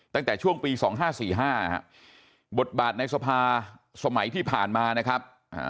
ตั้งแต่ช่วงปีสองห้าสี่ห้าบทบาทในศภาสมัยที่ผ่านมานะครับ